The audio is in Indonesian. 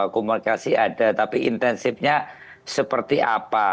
komunikasi ada tapi intensifnya seperti apa